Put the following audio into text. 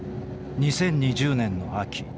２０２０年の秋。